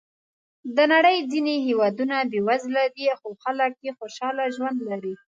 د نړۍ ځینې هېوادونه بېوزله دي، خو خلک یې خوشحاله ژوند لري.